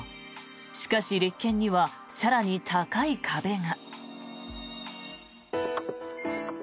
しかし、立件には更に高い壁が。